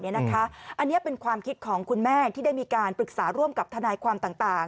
อันนี้เป็นความคิดของคุณแม่ที่ได้มีการปรึกษาร่วมกับทนายความต่าง